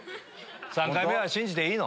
３回目は信じていいの？